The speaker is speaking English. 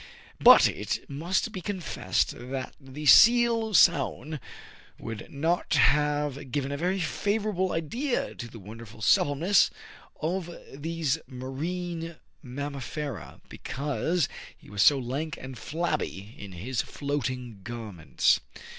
But it must be confessed that the seal Soun would not have given a very favorable idea of the wonderful suppleness of these marine mam mifera, because he was so lank and flabby in his floating garments.